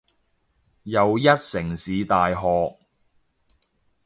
又一城市大學